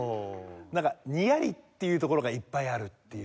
なんかニヤリっていうところがいっぱいあるっていう。